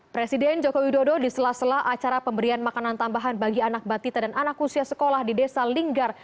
presiden joko widodo di sela sela acara pemberian makanan tambahan bagi anak batita dan anak usia sekolah di desa linggar